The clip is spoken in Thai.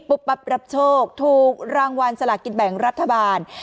ปุ๊บปับรับโชคถูกรางวัลศาลกิจแบ่งรัฐบาล